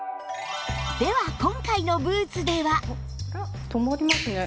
では今回のブーツでは？